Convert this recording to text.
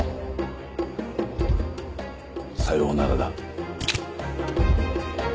さようならだ。